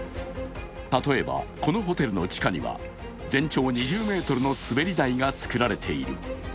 例えば、このホテルの地下には全長２０ｍの滑り台が作られている。